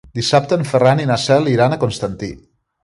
Dissabte en Ferran i na Cel iran a Constantí.